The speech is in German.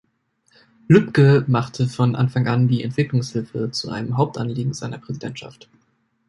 Lübke machte von Anfang an die Entwicklungshilfe zu einem Hauptanliegen seiner Präsidentschaft.